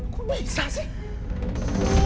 kok bisa sih